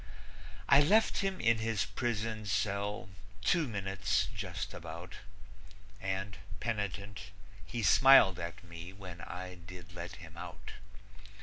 I left him in his prison cell two minutes, just about, And, penitent, he smiled at me when I did let him out.